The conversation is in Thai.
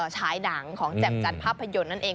ฉายหนังของแจ่มจันทร์ภาพยนตร์นั่นเอง